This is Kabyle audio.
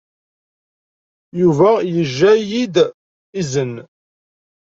Yuba yejja-iyi-d izen.